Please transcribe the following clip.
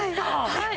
はい！